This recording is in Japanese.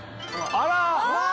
あら！